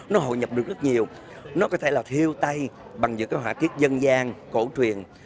nó hội nhập được rất nhiều nó có thể là thiêu tay bằng những cái họa tiết dân gian cổ truyền